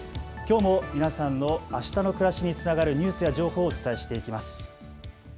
きょうも皆さんのあしたの暮らしにつながるニュースや情報をお伝えしていきます。